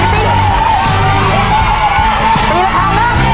ตีแล้วทำนะตีแล้วทำ